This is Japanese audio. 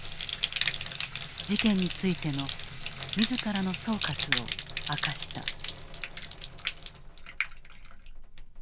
事件についての自らの総括を明かした。